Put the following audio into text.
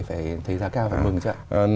phải thấy giá cao và mừng chứ ạ